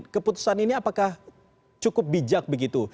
keputusan ini apakah cukup bijak begitu